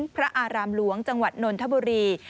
พระอารามหลวงจังหวัดนนทบุรี